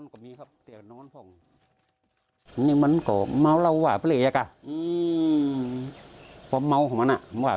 เก็บไว้เพราะเมาด์ออกก็มีสิทธิ์ด้วย